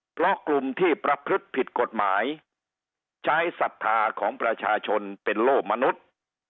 เพราะกลุ่มที่ประพฤติผิดกฎหมายใช้ศรัทธาของประชาชนเป็นโล่มนุษย์